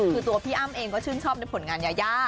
คือตัวพี่อ้ำเองก็ชื่นชอบในผลงานยายา